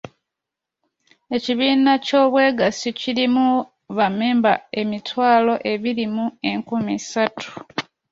Ekibiina ky'obwegassi kirimu bammemba emitwalo ebiri mu enkumi ssatu.